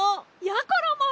やころも！